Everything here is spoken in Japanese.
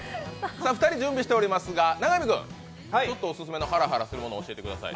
２人準備しておりますが、永見君、オススメのハラハラするもの教えてください。